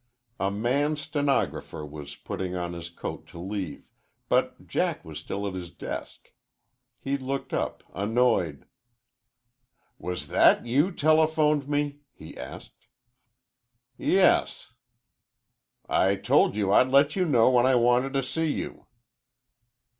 A man stenographer was putting on his coat to leave, but Jack was still at his desk. He looked up, annoyed. "Was that you telephoned me?" he asked. "Yes." "I told you I'd let you know when I wanted to see you."